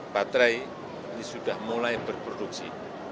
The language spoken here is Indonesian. baterai ini sudah mulai berproduksi